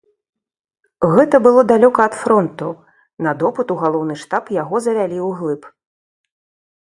Гэта было далёка ад фронту, на допыт у галоўны штаб яго завялі ўглыб.